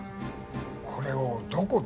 これをどこで？